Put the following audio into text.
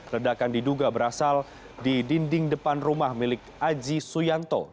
ledakan diduga berasal di dinding depan rumah milik aji suyanto